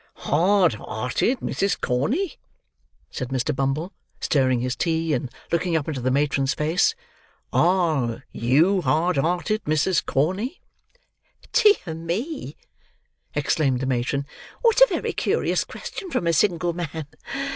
"Hard hearted, Mrs. Corney?" said Mr. Bumble, stirring his tea, and looking up into the matron's face; "are you hard hearted, Mrs. Corney?" "Dear me!" exclaimed the matron, "what a very curious question from a single man.